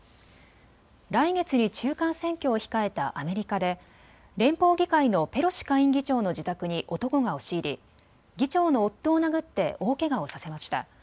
来月に中間選挙を控えたアメリカで連邦議会のペロシ下院議長の自宅に男が押し入り議長の夫を殴って大けがをさせました。